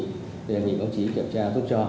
thì báo cáo ông chí kiểm tra giúp cho